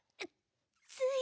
つい。